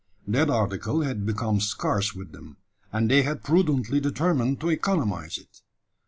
That article had become scarce with them; and they had prudently determined to economise it.